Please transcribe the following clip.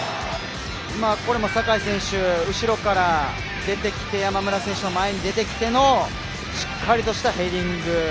これも酒井選手後ろから出てきて山村選手のしっかりとしたヘディング。